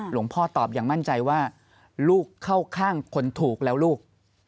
พ่อตอบอย่างมั่นใจว่าลูกเข้าข้างคนถูกแล้วลูก